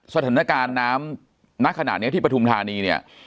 สถานการณ์น้ำณขนาดเนี้ยที่ประทุมธานีเนี้ย